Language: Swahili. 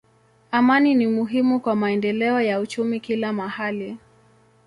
Amani ni muhimu kwa maendeleo ya uchumi kila mahali.